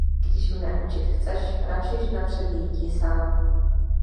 Když mne učit chceš, račiž napřed jíti sám!